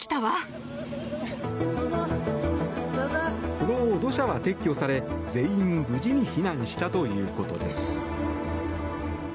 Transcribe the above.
その後、土砂は撤去され全員無事に避難したということです。